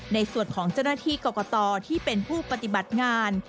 ในส่วนของเจ้าหน้าที่กรกตที่เป็นผู้ปฏิบัติงาน